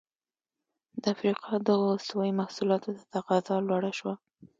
د افریقا دغو استوايي محصولاتو ته تقاضا لوړه شوه.